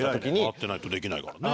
回ってないとできないからね。